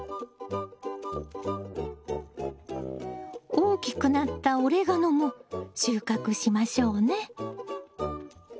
大きくなったオレガノも収穫しましょうね。